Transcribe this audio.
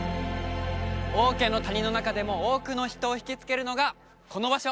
王家の谷の中でも多くの人を引きつけるのがこの場所